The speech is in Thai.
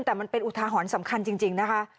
แต่มันเป็นอุทาหรณ์สำคัญจริงนะคะ